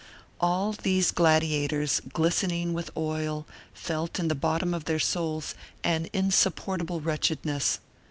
All these gladiators, glistening with oil, felt in the bottom of their souls an insupportable wretchedness.